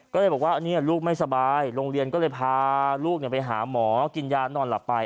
ก็เลยบอกว่าลูกไม่สบายโรงเรียนก็เลยพาลูกไปหาหมอกินยานอนหลับไป